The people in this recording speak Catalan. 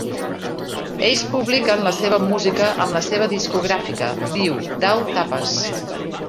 Ells publiquen la seva música amb la seva discogràfica Diu Dau Tapes.